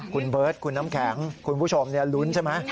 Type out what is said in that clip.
คุณเบิร์ตคุณน้ำแข็งคุณผู้ชมลุ้นใช่ไหม